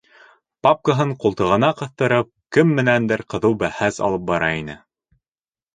Папкаһын ҡултығына ҡыҫтырып, кем менәндер ҡыҙыу бәхәс алып бара ине.